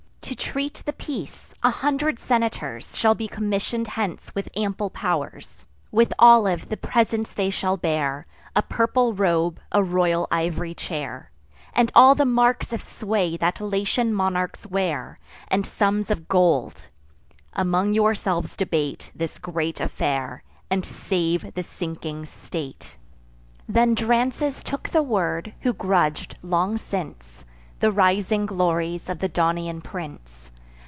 To treat the peace, a hundred senators Shall be commission'd hence with ample pow'rs, With olive the presents they shall bear, A purple robe, a royal iv'ry chair, And all the marks of sway that Latian monarchs wear, And sums of gold. Among yourselves debate This great affair, and save the sinking state." Then Drances took the word, who grudg'd, long since, The rising glories of the Daunian prince.